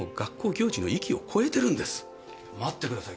待ってください。